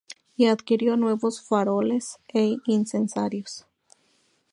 Y adquirió nuevos faroles e incensarios.